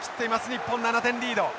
日本７点リード。